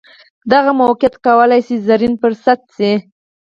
دغه موقیعت کولای شي زرین فرصت شي.